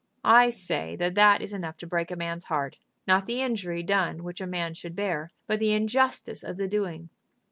I say that that is enough to break a man's heart, not the injury done which a man should bear, but the injustice of the doing.